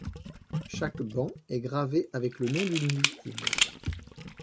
Chaque banc est gravé avec le nom d'une victime.